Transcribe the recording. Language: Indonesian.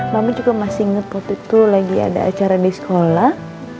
mama juga masih ingat waktu itu lagi ada acara di sekolah